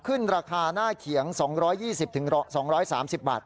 ขึ้นราคาหน้าเขียง๒๒๐๒๓๐บาท